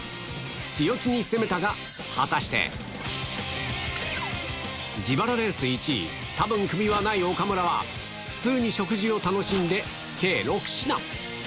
強気に攻めたが、果たして。自腹レース１位、たぶんクビはない岡村は、普通に食事を楽しんで、計６品。